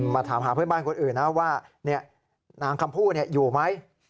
มาถามหาเพื่อนบ้านคนอื่นนะว่านางคำพูดอยู่ไหม